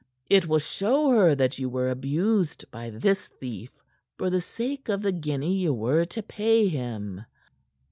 It will show her that ye were abused by this thief for the sake of the guinea ye were to pay him."